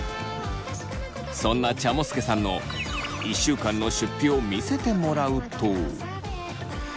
そんなちゃもすけさんの１週間の出費を見せてもらうと。